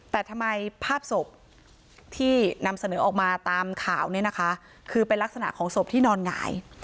แต่ทำไมภาพศพที่นำเสนอออกมาตามข่าวเนี่ยนะคะคือเป็นลักษณะของศพที่นอนหงาย